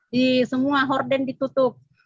di semua horden ditutup